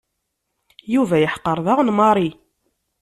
Yuba yeḥqer daɣen Mary.